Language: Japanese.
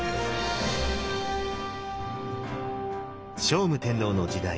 聖武天皇の時代